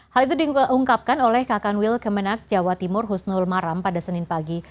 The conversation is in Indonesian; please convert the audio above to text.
hal itu diungkapkan oleh kakan wilkemenak jawa timur husnul maram pada senin pagi